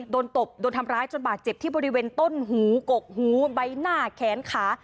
ตบโดนทำร้ายจนบาดเจ็บที่บริเวณต้นหูกกหูใบหน้าแขนขา